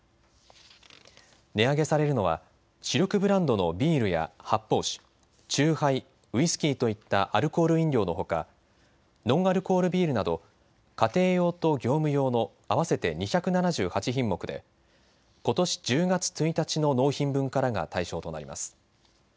値上げされるのは主力ブランドのビールや発泡酒、チューハイ、ウイスキーといったアルコール飲料のほかノンアルコールビールなど家庭用と業務用の合わせて２７８品目でことし１０月１日の納品分からが対象となります。